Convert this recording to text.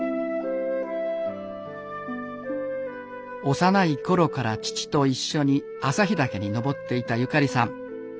幼い頃から父と一緒に朝日岳に登っていたゆかりさん。